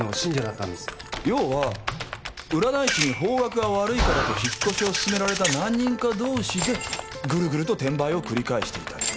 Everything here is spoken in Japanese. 要は占い師に方角が悪いからと引っ越しを勧められた何人か同士でグルグルと転売を繰り返していたと。